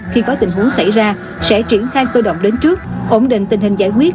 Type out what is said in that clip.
khi có tình huống xảy ra sẽ triển khai cơ động đến trước ổn định tình hình giải quyết